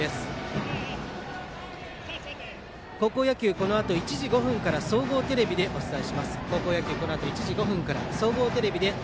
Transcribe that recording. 高校野球、このあと１時５分から総合テレビでお伝えします。